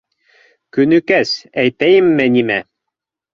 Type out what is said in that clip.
Көнөкәс, әйтәйемме нимә...